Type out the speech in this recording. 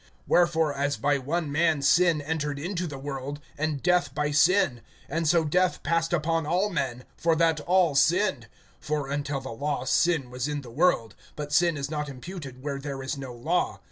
(12)Wherefore, as by one man sin entered into the world, and death by sin; and so death passed upon all men, for that all sinned; (13)(for until the law sin was in the world; but sin is not imputed when there is no law.